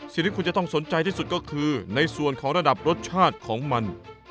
สิ่งที่คุณจะต้องสนใจที่สุดก็คือในส่วนของระดับรสชาติของมัน